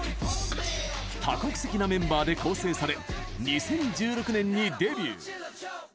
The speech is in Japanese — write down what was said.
多国籍なメンバーで構成され２０１６年にデビュー。